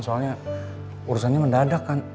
soalnya urusannya mendadak kan